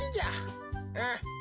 うん。